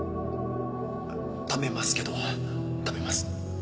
食べますけど食べます。